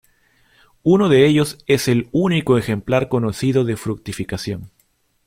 Uno de ellos es el único ejemplar conocido de fructificación.